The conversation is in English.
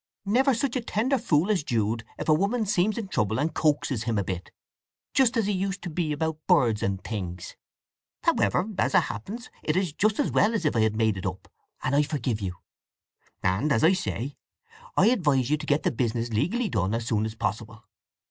Never such a tender fool as Jude is if a woman seems in trouble, and coaxes him a bit! Just as he used to be about birds and things. However, as it happens, it is just as well as if I had made it up, and I forgive you. And, as I say, I'd advise you to get the business legally done as soon as possible.